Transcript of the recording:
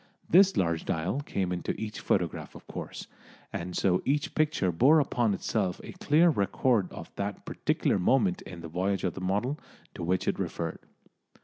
This large dial came into each photograph, of course, and so each picture bore upon itself a clear record of that particular moment in the voyage of the model to which it referred.